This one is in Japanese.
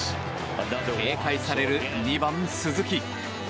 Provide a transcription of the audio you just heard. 警戒される２番、鈴木。